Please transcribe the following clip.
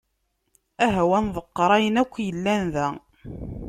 Aha-w ad nḍeqqer ayen akk yellan da.